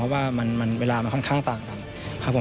เพราะว่ามันเวลามันค่อนข้างต่างกันครับผม